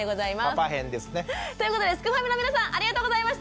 パパ編ですね。ということですくファミの皆さんありがとうございました。